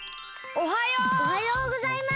おはようございます。